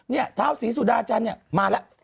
เนี่ยทาวน์สีสูอาจารย์มาละ